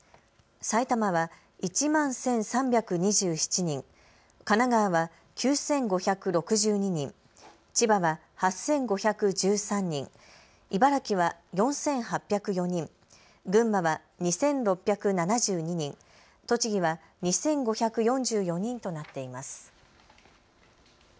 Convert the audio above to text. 埼玉は１万１３２７人、神奈川は９５６２人、千葉は８５１３人、茨城は４８０４人、群馬は２６７２人、栃木は２５４４人となっています。